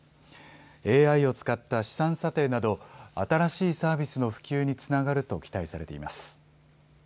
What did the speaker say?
ＡＩを使った資産査定など新しいサービスの普及につながると期待されています。